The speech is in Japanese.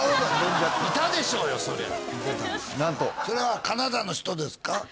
それはカナダの人ですか？